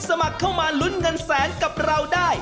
สมัครเข้ามาลุ้นเงินแสนกับเราได้